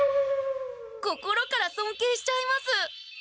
心からそんけいしちゃいます。